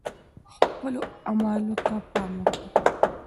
خپلو اعمالو ته پام وکړئ.